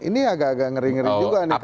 ini agak agak ngeri ngeri juga nih